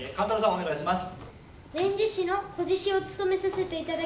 お願いします。